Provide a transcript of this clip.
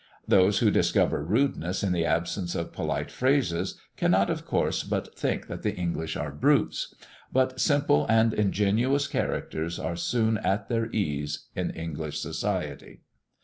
Those who discover rudeness in the absence of polite phrases, cannot, of course, but think that the English are brutes. But simple and ingenuous characters are soon at their ease in English society.